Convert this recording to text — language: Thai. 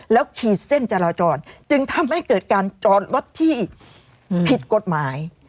แล้วขีดเส้นจราจรจึงทำให้เกิดการจอดรถที่ผิดกฎหมาย